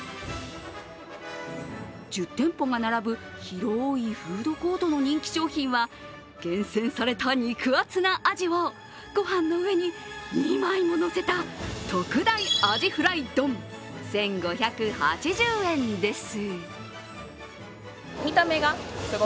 １０店舗が並ぶ広いフードコートの人気商品は厳選された肉厚なあじをごはんの上に２枚ものせた特大アジフライ丼１５８０円です。